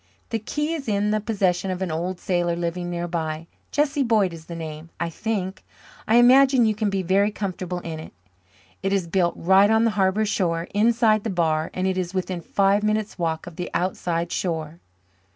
The key is in the possession of an old sailor living nearby Jesse Boyd is the name, I think. I imagine you can be very comfortable in it. It is built right on the harbour shore, inside the bar, and it is within five minutes' walk of the outside shore."